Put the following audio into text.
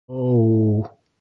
— О-оу-у-у!